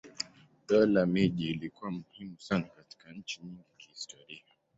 Dola miji ilikuwa muhimu sana katika nchi nyingi kihistoria.